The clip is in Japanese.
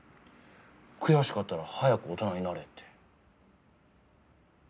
悔しかったら早く大人になれって。